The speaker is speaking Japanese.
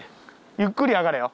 ゆっくり上がれよ。